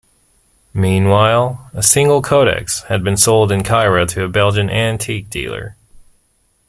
Meanwhile, a single codex had been sold in Cairo to a Belgian antique dealer.